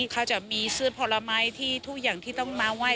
เขาจะมีเสื้อผลไม้ที่ทุกอย่างที่ต้องมาไหว้